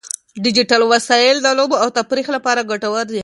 ډیجیټل وسایل د لوبو او تفریح لپاره ګټور دي.